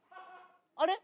あれ？